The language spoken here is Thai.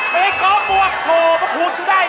ไม่คงห่วงพูดโหขูดจะได้